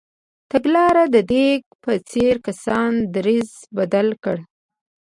تګلارې د دینګ په څېر کسانو دریځ بدل کړ.